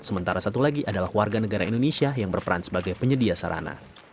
sementara satu lagi adalah warga negara indonesia yang berperan sebagai penyedia sarana